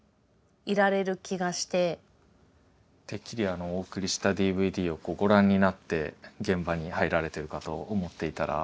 てっきりお送りしたＤＶＤをご覧になって現場に入られてるかと思っていたら。